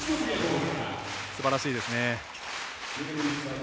すばらしいですね。